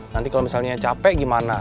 nanti kalau misalnya capek gimana